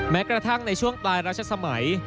แม้กระทั่งในช่วงปลายรัชสมัย